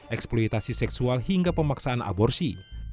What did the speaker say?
eksploitasi seksual hingga pemaksaan aborsi